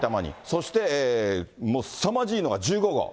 そして、すさまじいのが１５号。